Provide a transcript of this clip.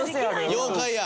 妖怪や。